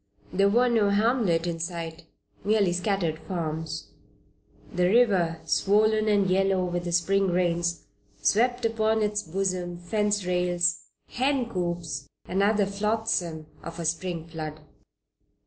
There was no hamlet in sight, merely scattered farms. The river, swollen and yellow with the Spring rains, swept upon its bosom fence rails, hen coops, and other flotsam of a Spring flood.